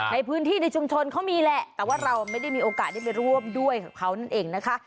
ในพื้นที่ในชุมชนเขามีแหละแต่ว่าเราไม่ได้มีโอกาสได้ไปร่วมด้วยกับเขานั่นเองนะคะ